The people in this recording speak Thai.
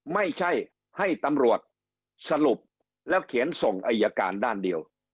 ไม่ใช่ให้ตำรวจสรุปแล้วเขียนส่งอายการด้านเดียว